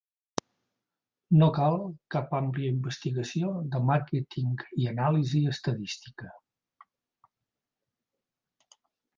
No cal cap àmplia investigació de màrqueting i anàlisi estadística.